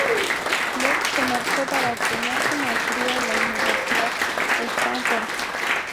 Luego se marchó para obtener su maestría en la Universidad Stanford.